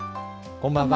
こんばんは。